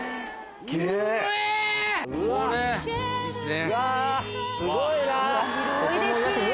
うわすごいな。